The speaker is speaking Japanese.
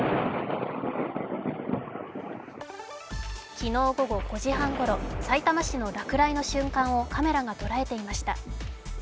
昨日午後５時半ごろ、さいたま市の落雷の瞬間をカメラがとらえていました。